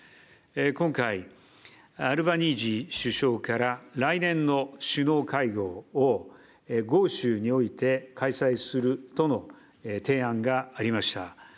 今回、アルバニージー首相から、来年の首脳会合を、豪州において開催するとの提案がありました。